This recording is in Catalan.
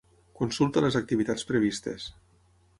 Consulta les activitats previstes.